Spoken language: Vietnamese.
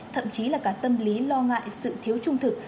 thậm chí là cả tâm lý lo ngại sự thiếu trung thực